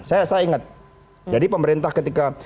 saya ingat jadi pemerintah ketika